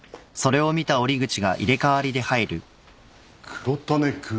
黒種君。